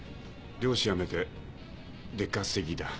漁師やめて出稼ぎだ。